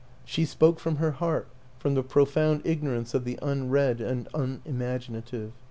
She spoke from her heart, from the profound ignorance of the unread and unimaginative